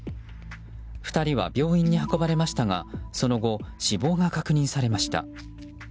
２人は病院に運ばれましたがその後、死亡が確認されました。